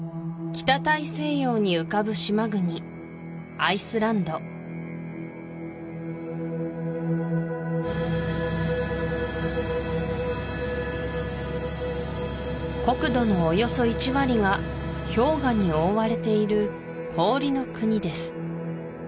北大西洋に浮かぶ島国アイスランド国土のおよそ１割が氷河に覆われている氷の国です